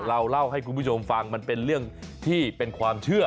เล่าให้คุณผู้ชมฟังมันเป็นเรื่องที่เป็นความเชื่อ